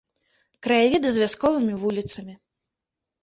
Краявіды з вясковымі вуліцамі.